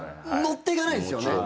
ッていかないんすよね！